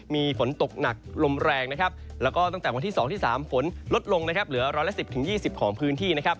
มีฝนตกหนักลมแรงแล้วก็ตั้งแต่วันที่๒๓ฝนลดลงเหลือ๑๑๐๒๐ของพื้นที่